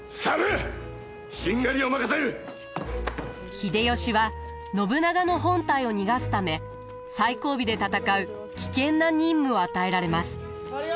秀吉は信長の本隊を逃がすため最後尾で戦う危険な任務を与えられます。